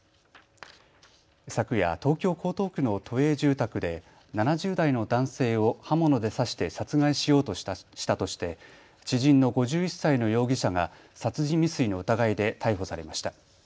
昨夜、東京江東区の都営住宅で７０代の男性を刃物で刺して殺害しようとしたとして知人の５１歳の容疑者が殺人未遂の疑いで逮捕されました。